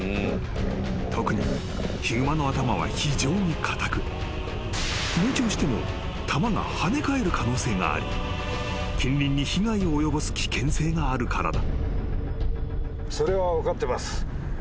［特にヒグマの頭は非常に硬く命中しても弾が跳ね返る可能性があり近隣に被害を及ぼす危険性があるからだ］